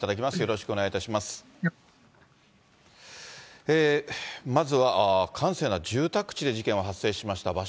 まずは、閑静な住宅地で事件は発生しました。